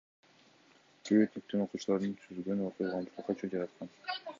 Жөө өтмөктөн окуучуларды сүзгөн окуя коомчулукта чуу жараткан.